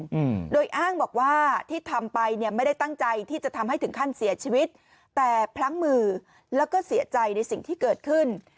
อืมโดยอ้างบอกว่าที่ทำไปเนี่ยไม่ได้ตั้งใจที่จะทำให้ถึงขั้นเสียชีวิตแต่พลั้งมือแล้วก็เสียใจในสิ่งที่เกิดขึ้น